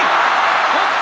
北勝